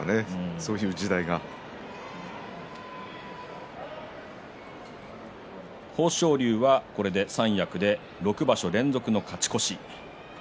そういう時代が豊昇龍は三役で６場所連続の勝ち越し。